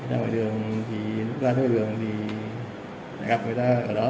ra ngoài đường thì lúc ra ra ngoài đường thì gặp người ta ở đó